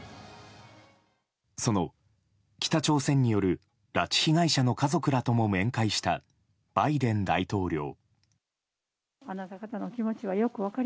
その北朝鮮による拉致被害者の家族らとも面会したバイデン大統領。